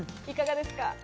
いかがですか？